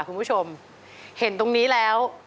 ขอบคุณค่ะ